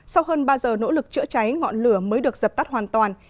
sau hơn ba giờ nỗ lực chữa cháy ngọn lửa mới được dập tắt hoàn toàn